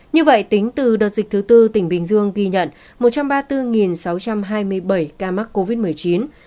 như vậy tính từ đợt dịch thứ tư tỉnh bình dương ghi nhận một trăm ba mươi bốn sáu trăm hai mươi bảy ca mắc covid một mươi chín